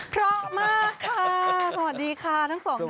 เพราะมากค่ะสวัสดีค่ะทั้งสองท่าน